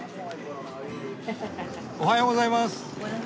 おはようございます。